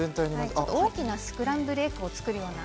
大きなスクランブルエッグを作るあれ？